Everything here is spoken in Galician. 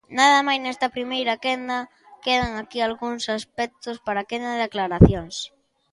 Nada máis nesta primeira quenda; quedan aquí algúns aspectos para a quenda de aclaracións.